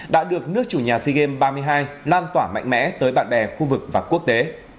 đã được nước chủ nhà sea games ba mươi hai lan tỏa mạnh mẽ tới bạn bè khu vực và quốc tế